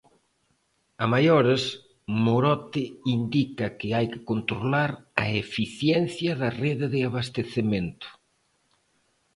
A maiores, Morote indica que hai que controlar "a eficiencia da rede de abastecemento".